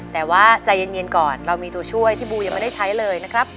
แต่ว่าใจเย็นก่อนเรามีตัวช่วยที่บูยังไม่ได้ใช้เลยนะครับ